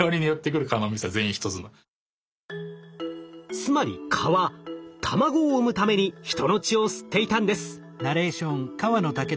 つまり蚊は卵を産むために人の血を吸っていたんです。